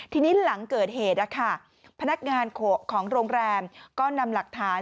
ทีนี้หลังเกิดเหตุพนักงานของโรงแรมก็นำหลักฐาน